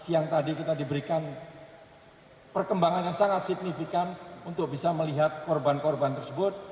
siang tadi kita diberikan perkembangan yang sangat signifikan untuk bisa melihat korban korban tersebut